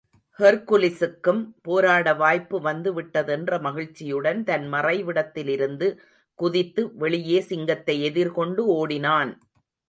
ஹெர்குலிஸுக்கும் போராட வாய்ப்பு வந்து விட்டதென்ற மகிழ்ச்சியுடன் தன் மறைவிடத்திலிருந்து குதித்து, வெளியே சிங்கத்தை எதிர்கொண்டு ஓடினான்.